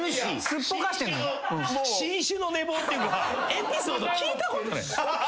エピソード聞いたことない。